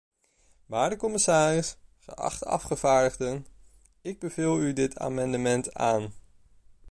Waarde commissaris, geachte afgevaardigden, ik beveel u dit amendement aan.